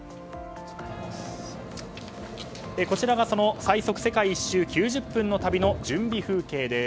こちらが最速世界一周９０分の旅の準備風景です。